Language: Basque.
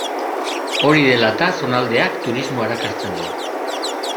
Hori dela eta zonaldeak turismoa erakartzen du.